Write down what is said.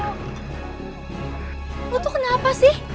lo tuh kenapa sih